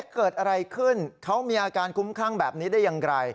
เกิดอะไรขึ้นเขามีอาการคุ้มคลั่งแบบนี้ได้อย่างไร